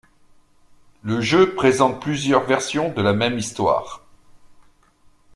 Le jeu présente plusieurs versions de la même histoire.